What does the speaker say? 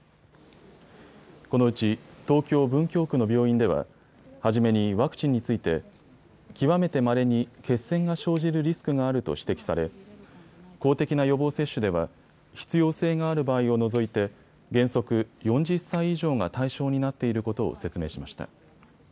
このうち東京文京区の病院では初めにワクチンについて、極めてまれに血栓が生じるリスクがあると指摘され公的な予防接種では必要性がある場合を除いて原則、４０歳以上が対象になっていることを説明しました。